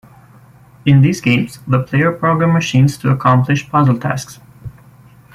In these games the player program machines to accomplish puzzle tasks.